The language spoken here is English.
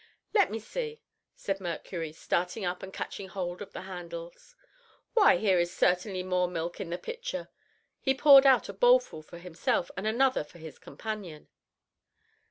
"Let me see," said Mercury, starting up and catching hold of the handles, "why here is certainly more milk in the pitcher." He poured out a bowlful for himself and another for his companion.